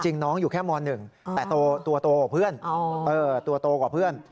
จริงน้องอยู่แค่ม๑แต่ตัวโตกว่าเพื่อน